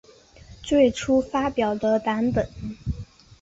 最初发表的版本。